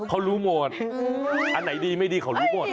เขารู้หมดอันไหนดีไม่ดีเขารู้หมด